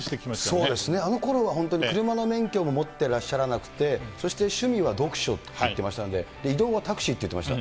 そうですね、あのころは本当に、車の免許も持ってらっしゃらなくて、そして趣味は読書って言ってましたんで、移動はタクシーって言ってました。